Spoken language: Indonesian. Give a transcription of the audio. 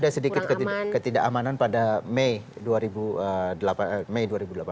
ada sedikit ketidakamanan pada mei dua ribu delapan belas